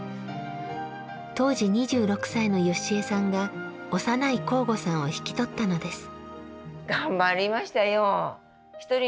当時２６歳の由江さんが幼い向後さんを引き取ったのです。